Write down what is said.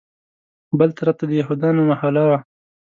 بل طرف ته د یهودیانو محله وه.